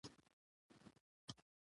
زړونه مه ماتوه لعل د بدخشان دی